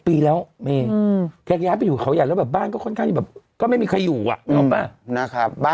เพราะที่รู้คนเมื่อก่อนเขาเอารับแขก